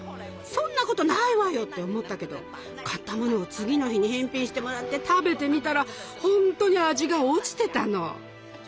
「そんなことないわよ」って思ったけど買ったものを次の日に返品してもらって食べてみたらほんとに味が落ちてたの。